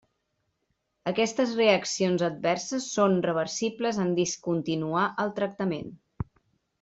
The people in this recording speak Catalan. Aquestes reaccions adverses són reversibles en discontinuar el tractament.